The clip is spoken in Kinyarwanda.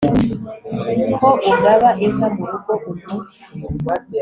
ko ugaba inka mu rugo umu